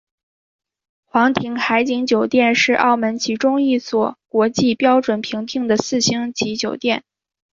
皇庭海景酒店是澳门其中一所国际标准评定的四星级酒店。